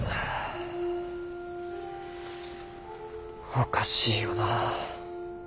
おかしいよな。